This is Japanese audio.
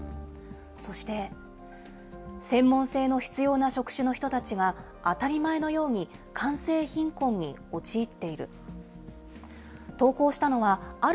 そして、専門性の必要な職種の人が、当たり前のように官製貧困に陥っている。